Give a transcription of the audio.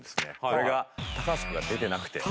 これが橋君が出てなくて。